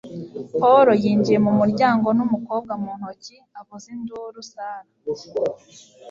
Paul yinjiye mu muryango n'umukobwa mu ntoki avuza induru, Sarah!